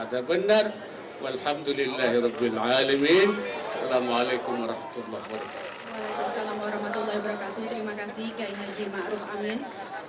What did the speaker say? a'zabannar walhamdulillahi rabbil alamin alaikum warahmatullah wabarakatuh terima kasih